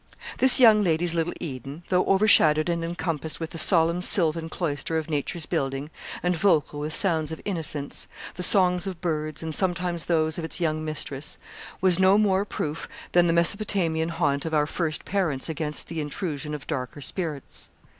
This young lady's little Eden, though overshadowed and encompassed with the solemn sylvan cloister of nature's building, and vocal with sounds of innocence the songs of birds, and sometimes those of its young mistress was no more proof than the Mesopotamian haunt of our first parents against the intrusion of darker spirits.